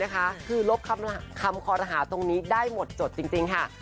คือลบคำคอรหาตรงนี้ได้หมดจดจริงค่ะ